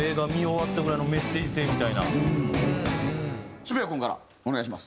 渋谷君からお願いします。